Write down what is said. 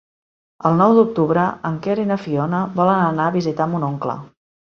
El nou d'octubre en Quer i na Fiona volen anar a visitar mon oncle.